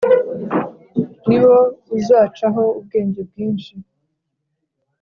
ni bo uzacaho ubwenge bwinshi